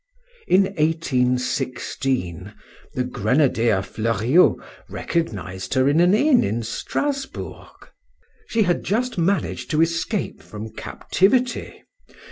"In 1816 the grenadier Fleuriot recognized her in an inn in Strasbourg. She had just managed to escape from captivity.